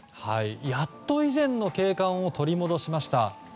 やっと以前の景観を取り戻しました。